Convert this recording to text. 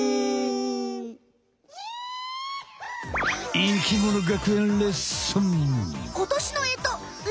生きもの学園レッスン！